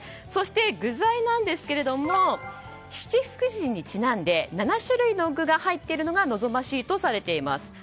そして、具材なんですが七福神にちなんで７種類の具が入っているのが望ましいとされています。